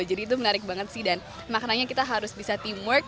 jadi itu menarik banget sih dan makanya kita harus bisa teamwork